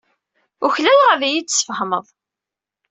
Uklaleɣ ad iyi-d-tesfehmeḍ.